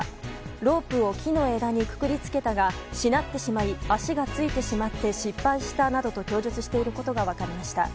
ロープを木の枝にくくり付けたがしなってしまい足がついてしまって失敗したなどと供述していることが分かりました。